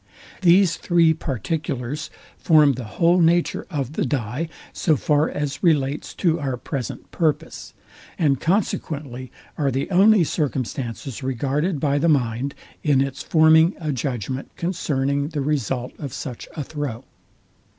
These three particulars form the whole nature of the dye, so far as relates to our present purpose; and consequently are the only circumstances regarded by the mind in its forming a judgment concerning the result of such a throw.